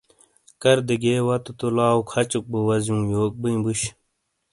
کردے گئے واتوں تو لاؤ کھچوک بو وزیوں یوک بئیں بوش۔